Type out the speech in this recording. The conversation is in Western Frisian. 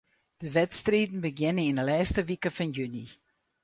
De wedstriden begjinne yn 'e lêste wike fan juny.